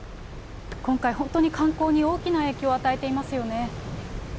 今回、本当に観光に大きな影響を与えていますよね。